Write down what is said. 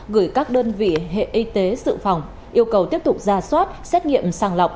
gửi các đơn vị hệ y tế sự phòng yêu cầu tiếp tục ra soát xét nghiệm sàng lọc